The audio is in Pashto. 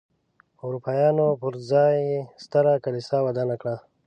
اروپایانو پر ځای یې ستره کلیسا ودانه کړه.